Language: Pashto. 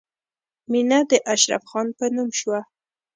مینه د اشرف خان په نوم شوه